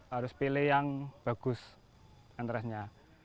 harus pilih yang bagus enterestnya